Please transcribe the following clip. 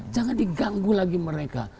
jangan diganggu lagi mereka